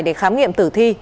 để khám nghiệm tử thi